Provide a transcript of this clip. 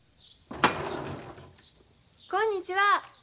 こんにちは。